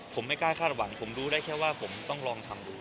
ผมไม่กล้าคาดหวังผมรู้ได้แค่ว่าผมต้องลองทำดู